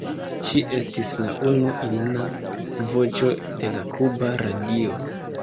Ŝi estis la unu ina voĉo de la kuba radio.